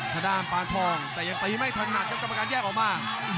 ทะดามปานทองแต่ยังตีไม่ทันหนักกับกรรมการแยกออกมา